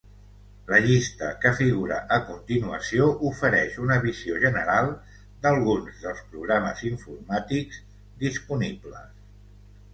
La llista que figura a continuació ofereix una visió general d'alguns dels programes informàtics disponibles.